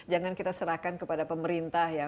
jangan kita serahkan kepada pemerintah ya